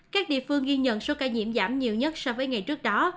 các địa phương ghi nhận số ca nhiễm giảm nhiều nhất so với ngày trước đó